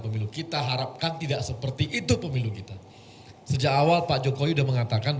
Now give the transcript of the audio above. pemilu umum yang sudah dipercayai pasangan nomor urut satu